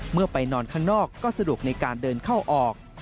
ไปนอนข้างนอกก็สะดวกในการเดินเข้าออก